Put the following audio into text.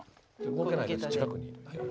動けないので近くに。